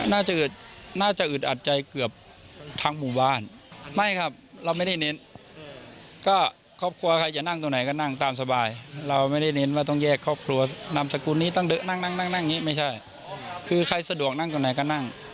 นั่งนั่งนั่งนั่งงี้ไม่ใช่คือใครสะดวกนั่งตรงไหนก็นั่ง